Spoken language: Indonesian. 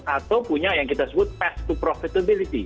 atau punya yang kita sebut face to profitability